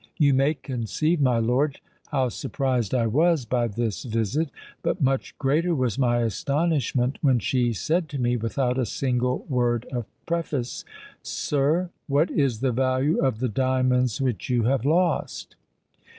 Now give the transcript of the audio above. You may conceive, my lord, how surprised I was by this visit: but much greater was my astonishment, when she said to me, without a single word of preface, '_Sir, what is the value of the diamonds which you have lost?